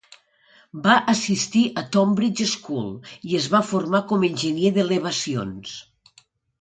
Va assistir a Tonbridge School i es va formar com enginyer d"elevacions.